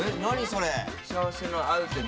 それ。